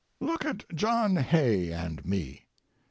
Look at John Hay and me.